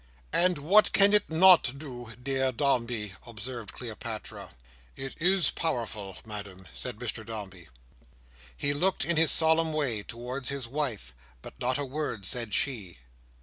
"And what can it not do, dear Dombey?" observed Cleopatra. "It is powerful, Madam," said Mr Dombey. He looked in his solemn way towards his wife, but not a word said she.